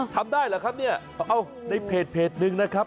ได้เหรอครับเนี่ยเอาในเพจหนึ่งนะครับ